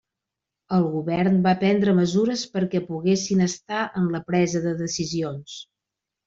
El govern va prendre mesures perquè poguessin estar en la presa de decisions.